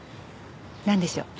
なんでしょう？